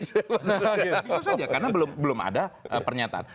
bisa saja karena belum ada pernyataan